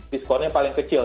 diskonnya paling kecil